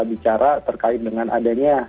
bicara terkait dengan adanya